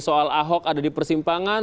soal ahok ada di persimpangan